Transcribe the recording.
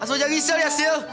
asal jagi sil ya sil